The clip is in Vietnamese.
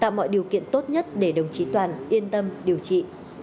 tạo mọi điều kiện tốt nhất để đồng chí toàn yên tâm điều trị